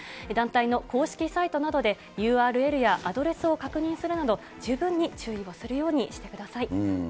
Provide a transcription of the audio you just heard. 団体の公式サイトなどで、ＵＲＬやアドレスを確認するなど、十分に注意をするようにしてください。